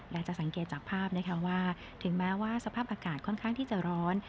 และจะสังเกตจากภาพนะคะว่าถึงแม้ว่าสภาพอากาศค่อนข้างที่จะร้อน